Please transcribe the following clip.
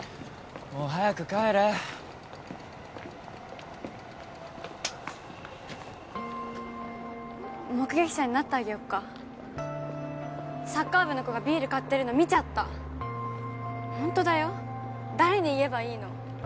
もう早く帰れ目撃者になってあげよっかサッカー部の子がビール買ってるの見ちゃったホントだよ誰に言えばいいの？